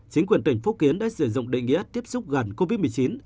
chính quyền tỉnh phúc kiến đã sử dụng định nghĩa tiếp xúc gần covid một mươi chín